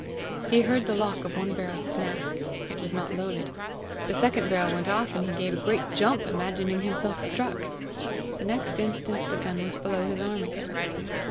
He heard the lock of one barrel snap: it was not loaded; the second barrel went off, and he gave a great jump, imagining himself struck. The next instant the gun was below his arm again.